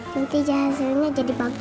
nanti hasilnya jadi bagus